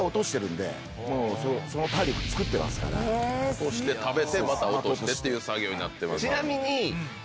落として食べてまた落としてっていう作業になってますけど。